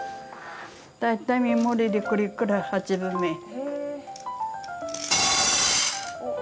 大体目盛りでこれくらい８分目。へ。